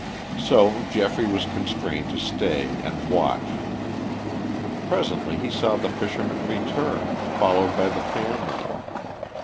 So Geoffrey was constrained to stay and watch. Presently he saw the fishermen return, followed by the family.